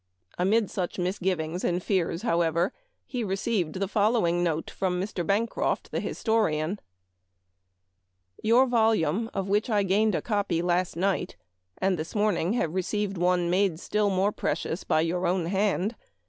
Amid such misgivings and fears, however, he received the following note from Mr. Bancroft, the historian : 286 Memoir of Washington In.ing. " Your volume, of which I gained a copy last night, (and this morning have received one made still more precious by your own hand.)